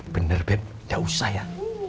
bener beb nggak usah ya